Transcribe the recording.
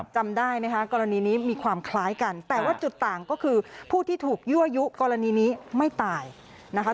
จำได้ไหมคะกรณีนี้มีความคล้ายกันแต่ว่าจุดต่างก็คือผู้ที่ถูกยั่วยุกรณีนี้ไม่ตายนะคะ